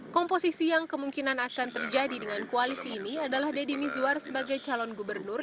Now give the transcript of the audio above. komposisi yang kemungkinan akan terjadi dengan koalisi ini adalah deddy mizwar sebagai calon gubernur